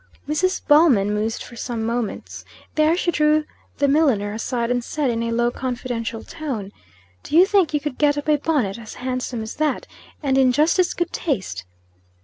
Mrs. Ballman mused for some moments. There she drew the milliner aside, and said, in a low confidential tone. "Do you think you could get up a bonnet a handsome as that, and in just as good taste?"